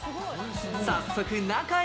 早速、中へ。